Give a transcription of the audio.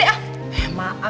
kenapa aja dek